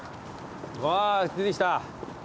うわー出てきた。